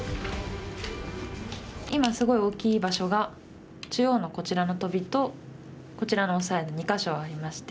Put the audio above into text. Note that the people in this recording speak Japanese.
今すごい大きい場所が中央のこちらのトビとこちらのオサエの２か所ありまして。